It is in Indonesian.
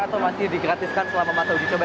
atau masih digratiskan selama masa uji coba